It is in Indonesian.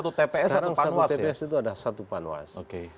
tapi sekarang satu tps ada satu panwas ya